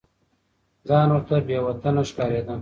ځان ورته بې وطنه ښکارېده.